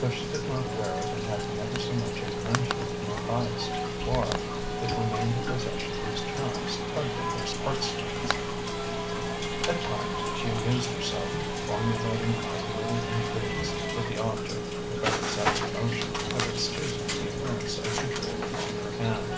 Though she did not wear it and had never so much as mentioned Matthias to Quard, it remained a possession whose charms tugged at her heart strings. At times she amused herself formulating idle little intrigues, with the object (if ever set in motion) of excusing the appearance of the jewel upon her hand.